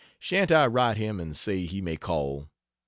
Shan't I write him and say he may call?